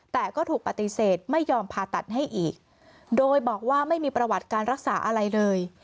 แต่ก็ถูกปฏิเสธไม่ยอมผ่าตัดให้อีกโดยบอกว่าไม่มีประวัติการรักษาอะไรเลย